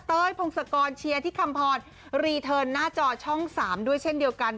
พงศกรเชียร์ที่คำพรรีเทิร์นหน้าจอช่อง๓ด้วยเช่นเดียวกัน